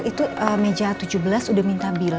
itu meja tujuh belas udah minta bila